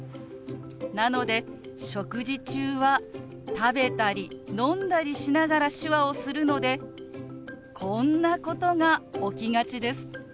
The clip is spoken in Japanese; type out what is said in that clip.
なので食事中は食べたり飲んだりしながら手話をするのでこんなことが起きがちです。